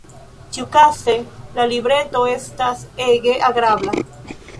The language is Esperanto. Ĉiukaze, la libreto estas ege agrabla.